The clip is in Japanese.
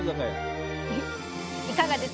いかがです？